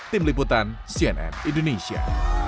tim liputan cnn indonesia